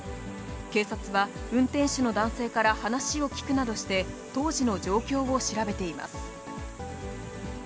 警察は運転手の男性から話を聴くなどして、当時の状況を調べています。